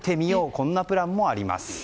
こういうプランもあります。